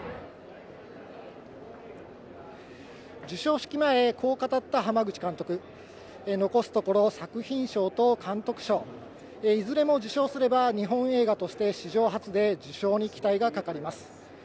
授賞式前、こう語った濱口監督、残すところ作品賞と監督賞、いずれも受賞すれば日本映画として史上初で受賞に期待がかかります。